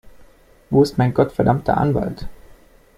Wo ist mein gottverdammter Anwalt?